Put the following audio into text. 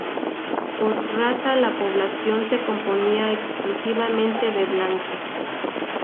Por razas, la población se componía exclusivamente de blancos.